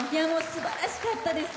すばらしかったです。